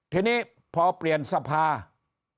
ทีนี้พอเปลี่ยนสภาพธิบัตร